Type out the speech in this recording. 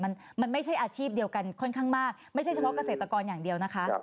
มันมันไม่ใช่อาชีพเดียวกันค่อนข้างมากไม่ใช่เฉพาะเกษตรกรอย่างเดียวนะคะ